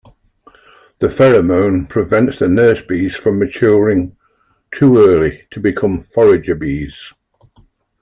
The pheromone prevents the nurse bees from maturing too early to become forager bees.